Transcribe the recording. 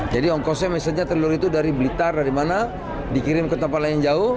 jadi ongkosnya misalnya telur itu dari blitar dari mana dikirim ke tempat lain yang jauh